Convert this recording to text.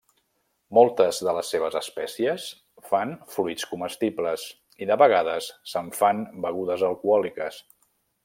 Moltes de les seves espècies fan fruits comestibles i de vegades se'n fan begudes alcohòliques.